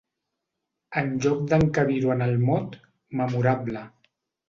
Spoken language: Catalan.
Enlloc d'encabir-ho en el mot "memorable".